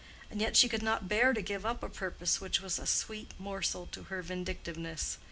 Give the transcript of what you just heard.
And yet she could not bear to give up a purpose which was a sweet morsel to her vindictiveness.